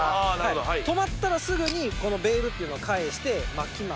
止まったらすぐにベールっていうのを返して巻きます。